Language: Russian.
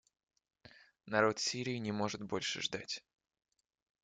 Народ Сирии не может больше ждать.